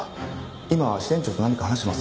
今支店長と何か話してます。